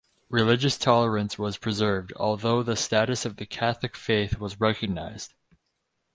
Religious tolerance was preserved, although the status of the Catholic faith was recognized.